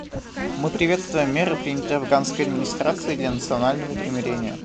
Мы приветствуем меры, принятые афганской администрацией для национального примирения.